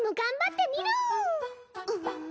うん。